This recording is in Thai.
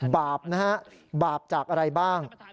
บาปนะฮะบาปจากอะไรบ้าง